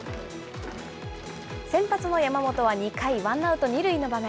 先発の山本は２回、ワンアウト２塁の場面。